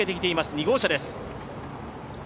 ２号車です。